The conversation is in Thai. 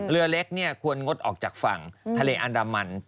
เรือเล็กควรงดออกจากฝั่งทะเลอันดามัน